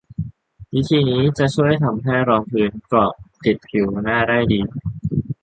วิธีนี้จะช่วยทำให้รองพื้นเกาะติดผิวหน้าได้ดี